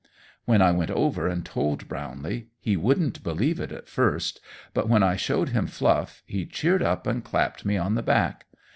When I went over and told Brownlee, he wouldn't believe it at first, but when I showed him Fluff, he cheered up and clapped me on the back.